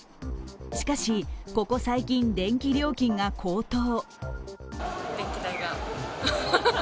しかしここ最近、電気料金が高騰。